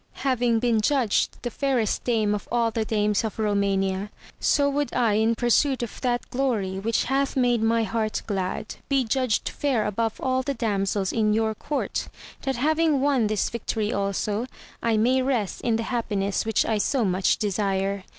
Having been judged the fairest dame of all the dames of Eomania, so would I in pursuit of that glory which hath made my heart glad, be judged fair above all the damsels in your court, that having won this victory also, I may rest in the happiness' which I so much desire.